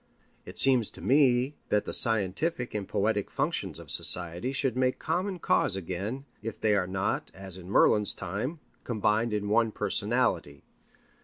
It seems to me that the scientific and poetic functions of society should make common cause again, if they are not, as in Merlin's time, combined in one personality.